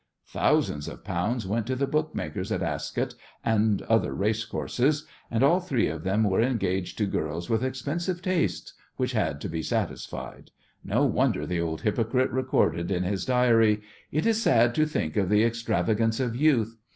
Thousands of pounds went to the bookmakers at Ascot and other racecourses, and all three of them were engaged to girls with expensive tastes, which had to be satisfied. No wonder the old hypocrite recorded in his diary: "It is sad to think of the extravagance of youth.